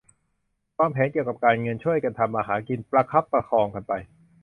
วางแผนเกี่ยวกับการเงิน ช่วยกันทำมาหากิน ประคับประคองกันไป